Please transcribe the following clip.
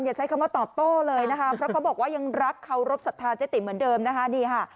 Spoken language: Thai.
อย่าใช้คำว่าตอบโต้เลยนะคะเพราะเขาบอกว่ายังรักเขารบศรัทธาเจ๊ติ๋มเหมือนเดิมนะคะ